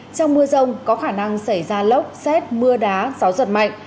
trong mưa rông có khả năng xảy ra lốc xét mưa đá gió giật mạnh